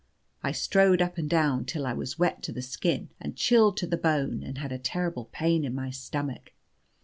I strode up and down till I was wet to the skin and chilled to the bone, and had a terrible pain in my stomach.